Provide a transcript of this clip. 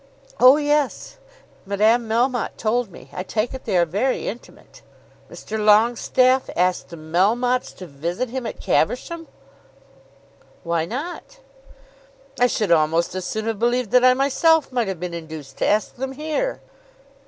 "Oh yes, Madame Melmotte told me. I take it they are very intimate." "Mr. Longestaffe ask the Melmottes to visit him at Caversham!" "Why not?" "I should almost as soon have believed that I myself might have been induced to ask them here."